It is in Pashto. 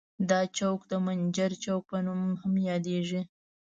دا چوک د منجر چوک په نوم هم یادیږي.